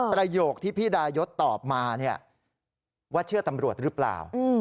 ประโยคที่พี่ดายศตอบมาว่าเชื่อตำรวจหรือเปล่า